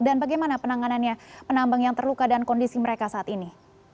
dan bagaimana penanganannya penambang yang terluka dan kondisi mereka saat ini